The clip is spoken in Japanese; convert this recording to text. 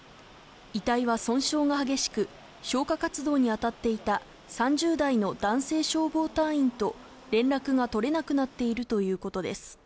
遺体は損傷が激しく、消火活動にあたっていた３０代の男性消防隊員と連絡が取れなくなっているということです。